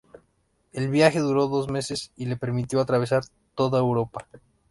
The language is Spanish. El viaje duró dos meses y le permitió atravesar toda Europa.